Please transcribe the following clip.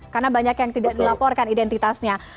karena banyak yang tidak dilaporkan identitasnya